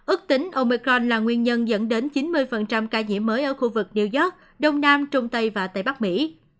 ước tính omecon là nguyên nhân dẫn đến chín mươi ca nhiễm mới ở khu vực new york đông nam trung tây và tây bắc mỹ